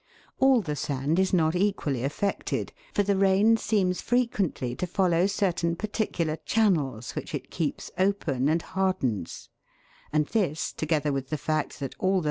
All the sand is not equally affected, for the rain seems frequently to follow certain particular channels which it keeps open and hardens, and this, together with the fact that all the 144 THE WORLD'S LUMBER ROOM.